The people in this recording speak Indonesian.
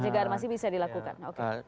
pencegahan masih bisa dilakukan